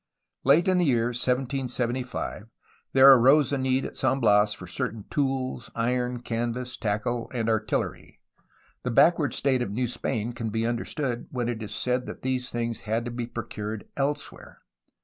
Late in the year 1775 there arose a need at San Bias for certain tools, iron, canvas, tackle, and artillery. The back ward state of New Spain can be understood when it is said that these things had to be procured elsewhere.